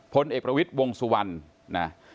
พลเอกประวิทย์วงสุวรรณนะ